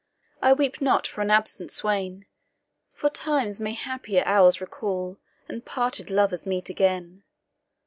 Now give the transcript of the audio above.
I weep not for an absent swain; For time may happier hours recall, And parted lovers meet again.